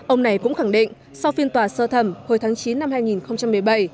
ông này cũng khẳng định sau phiên tòa sơ thẩm hồi tháng chín năm hai nghìn một mươi bảy